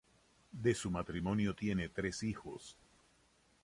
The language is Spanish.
De su matrimonio tiene tres hijos.